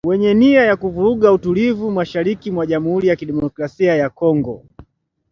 wenye nia ya kuvuruga utulivu mashariki mwa jamuhuri ya kidemokrasia ya Kongo